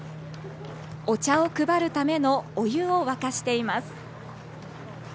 お茶を配るためのお茶を沸かしています。